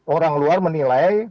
orang luar menilai